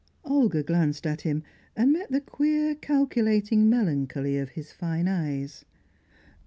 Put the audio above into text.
Olga glanced at him, and met the queer calculating melancholy of his fine eyes.